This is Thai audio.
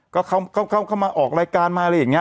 ก็เข้าเข้าเข้าเข้ามาออกรายการมาอะไรอย่างเงี้ย